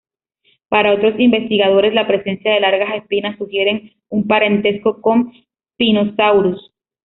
Para otros investigadores, la presencia de largas espinas sugieren un parentesco con "Spinosaurus".